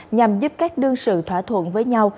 nhằm giúp các đương sự thỏa thuận với nhau